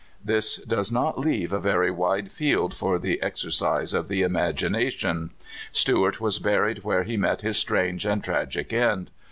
This does not leave a very wide field for the exer cise of the imagination. Stewart was buried where he met his strange and tragic end.